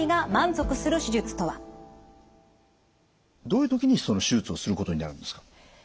どういう時にその手術をすることになるんですか？